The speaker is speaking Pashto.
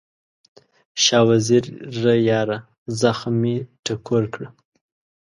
شاه وزیره یاره، زخم مې ټکور کړه